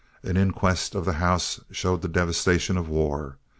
An inquest of the house showed the devastation of war.